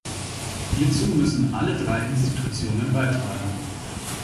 Hierzu müssen alle drei Institutionen beitragen.